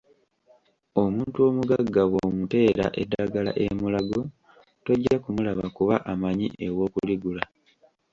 Omuntu omugagga bw'omuteera eddagala e Mulago tojja kumulaba kuba amanyi ewokuligula.